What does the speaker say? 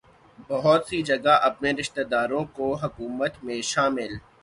بہت سی جگہ اپنے رشتہ داروں کو حکومت میں شامل